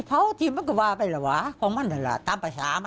เคี่ยงล็อคโป้ดได้๘ใช้มั่